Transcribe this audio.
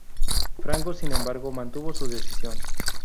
Franco, sin embargo, mantuvo su decisión.